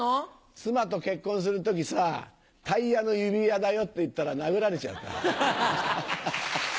妻と結婚する時さぁ「タイヤの指輪だよ」って言ったら殴られちゃった。